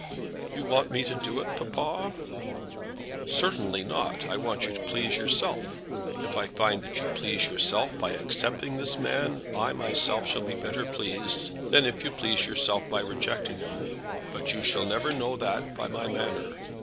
"You want me to do it, papa?" "Certainly not. I want you to please yourself. If I find that you please yourself by accepting this man, I myself shall be better pleased than if you please yourself by rejecting him; but you shall never know that by my manner.